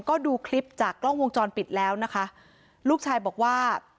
ก็ดูคลิปจากกล้องวงจรปิดแล้วนะคะลูกชายบอกว่า